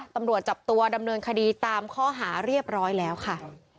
ตำรวจจับตัวดำเนินคดีตามข้อหาเรียบร้อยแล้วค่ะ